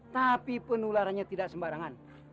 tapi penularannya tidak sembarangan